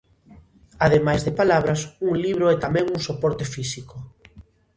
Ademais de palabras, un libro é tamén un soporte físico.